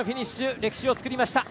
歴史を作りました。